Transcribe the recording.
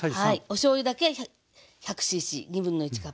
おしょうゆだけ１００ｃｃ1/2カップね。